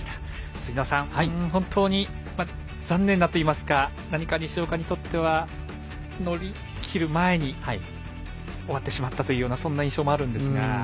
辻野さん、本当に残念なといいますか何か、西岡にとっては乗り切る前に終わってしまったという印象があるんですが。